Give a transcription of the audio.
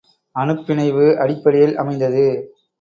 அணுப் பிணைவு அடிப்படையில் அமைந்தது.